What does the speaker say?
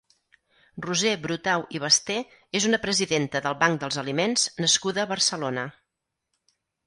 Roser Brutau i Basté és una presidenta del Banc dels Aliments nascuda a Barcelona.